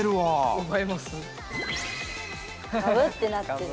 ガブってなってる。